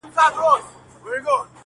له ناكامه يې ويل پرې تحسينونه !.